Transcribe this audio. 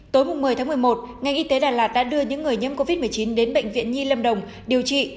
tối một mươi tháng một mươi một ngành y tế đà lạt đã đưa những người nhiễm covid một mươi chín đến bệnh viện nhi lâm đồng điều trị